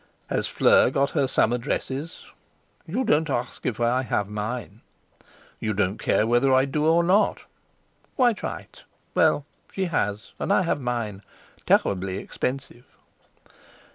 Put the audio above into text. "Has Fleur got her summer dresses?" "You don't ask if I have mine." "You don't care whether I do or not." "Quite right. Well, she has; and I have mine—terribly expensive."